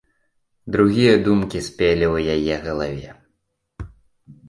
Другія думкі спелі ў яе галаве.